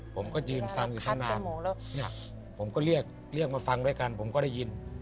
ผมก็ยืนฟังอยู่ตั้งนานแล้วเนี่ยผมก็เรียกเรียกมาฟังด้วยกันผมก็ได้ยิน